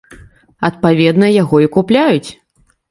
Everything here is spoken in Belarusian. Адпаведна, яго і купляюць.